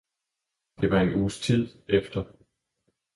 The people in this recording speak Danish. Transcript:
Det var en uges tid efter.